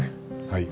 はい。